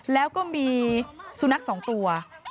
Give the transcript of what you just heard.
แล้วก็มีสูนักสองตัว